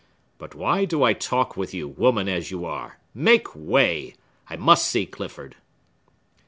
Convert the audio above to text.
But why do I talk with you, woman as you are? Make way!—I must see Clifford!"